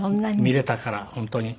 見れたから本当に。